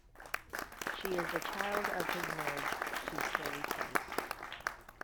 She is the child of his marriage to Cherry Price.